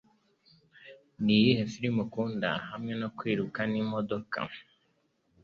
Niyihe firime ukunda hamwe no kwirukana imodoka?